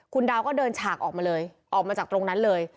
คุณดาวก็เดินฉากออกมาเลยออกมาจากตรงนั้นเลย